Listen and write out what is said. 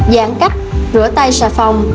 giãn cách rửa tay sà phòng